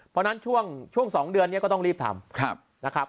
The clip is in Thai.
เพราะฉะนั้นช่วง๒เดือนนี้ก็ต้องรีบทำนะครับ